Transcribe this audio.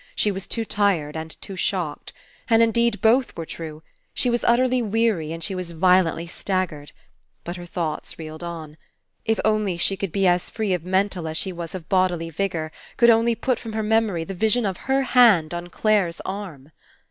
She was too tired, and too shocked. And, indeed, both were true. She was utterly weary, and she was violently staggered. But her thoughts reeled on. If only she could be as free of mental as she was of bodily 2IO FINALE vigour; could only put from her memory the vision of her hand on Clare's arm